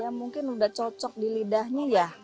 ya mungkin udah cocok di lidahnya ya